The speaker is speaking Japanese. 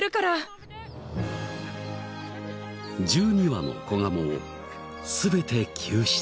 １２羽の子ガモを全て救出。